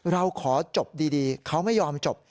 เราขอจบดีเขาไม่ยอมจบ